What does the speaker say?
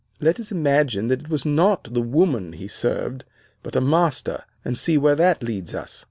Let us imagine that it was not the woman he served, but a master, and see where that leads us.